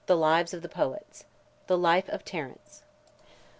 LIVES OF THE POETS. (531) THE LIFE OF TERENCE.